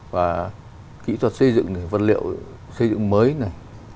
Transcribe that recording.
và kỹ thuật xây dựng vật liệu xây dựng mới này